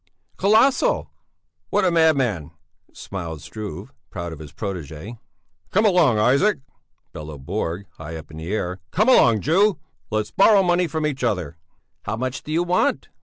"Colossal!" "What a madman," smiled Struve, proud of his protégé. "Come along, Isaac!" bellowed Borg, high up in the air, "come along, Jew, let's borrow money from each other!" "How much do you want?"